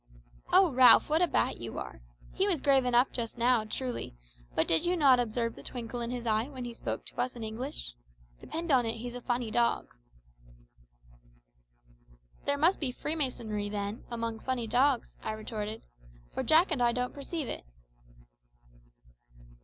"O Ralph, what a bat you are! He was grave enough just now, truly; but did you not observe the twinkle in his eye when he spoke to us in English? Depend on it he's a funny dog." "There must be freemasonry, then, among funny dogs," I retorted, "for Jack and I don't perceive it."